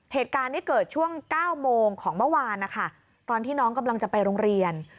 เหตุการณ์นี้เกิดช่วง๙โมงของเมื่อวานนะคะตอนที่น้องกำลังจะไปโรงเรียน